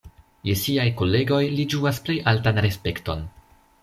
Je siaj kolegoj li ĝuas plej altan respekton.